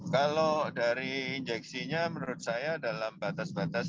kalau dari injeksinya menurut saya dalam batas batas